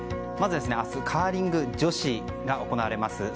まず明日カーリング女子が行われます。